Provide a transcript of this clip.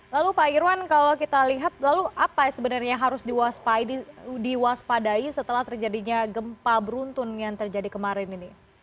lalu pak irwan kalau kita lihat lalu apa sebenarnya yang harus diwaspadai setelah terjadinya gempa beruntun yang terjadi kemarin ini